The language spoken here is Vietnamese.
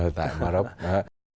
ở tại morocco